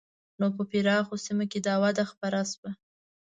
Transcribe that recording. نو په پراخو سیمو کې دا وده خپره شوه.